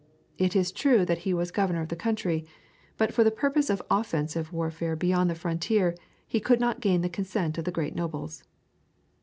It is true that he was governor of the country, but for the purpose of offensive warfare beyond the frontier he could not gain the consent of the great nobles.